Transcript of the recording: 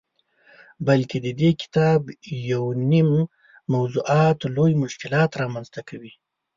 بلکه ددې کتاب یونیم موضوعات لوی مشکلات رامنځته کوي.